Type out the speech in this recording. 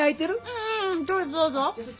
うんどうぞどうぞ。